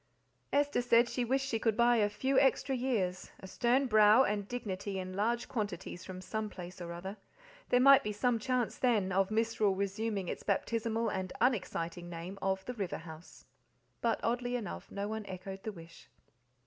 Esther said she wished she could buy a few extra years, a stern brow, and dignity in large quantities from some place or other there might be some chance, then, of Misrule resuming its baptismal and unexciting name of The River House. But, oddly enough, no one echoed the wish.